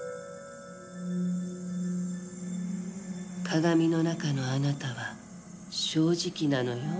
鏡の中のあなたは正直なのよ。